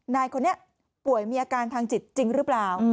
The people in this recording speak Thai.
นายคนนี้ป่วยมีอาการทางจิตจริงหรือเปล่า